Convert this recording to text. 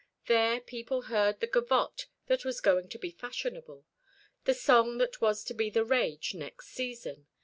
There people heard the gavotte that was going to be fashionable, the song that was to be the rage next season.